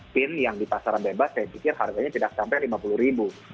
pin yang di pasaran bebas saya pikir harganya tidak sampai lima puluh ribu